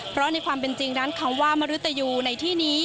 เพราะในความเป็นจริงนั้นคำว่ามรุตยูในที่นี้